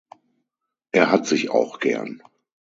Er hat sich auch gern.